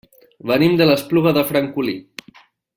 Venim de l'Espluga de Francolí.